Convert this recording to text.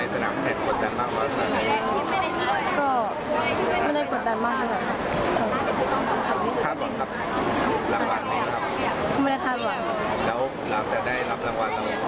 อย่าพื้นใจนะครับ